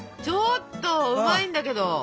ちょっとうまいんだけど！